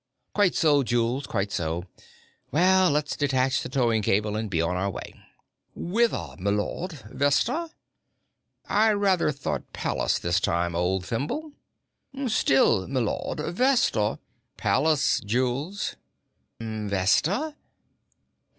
"Quite so, Jules; quite so. Well, let's detach the towing cable and be on our way." "Whither, m'lud, Vesta?" "I rather thought Pallas this time, old thimble." "Still, m'lud, Vesta " "Pallas, Jules." "Vesta?"